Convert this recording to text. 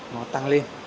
nó tăng lên